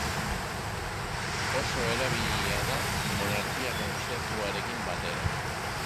Oso erabilia da monarkia kontzeptuarekin batera.